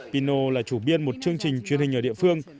pino là chủ biên một chương trình truyền hình ở địa phương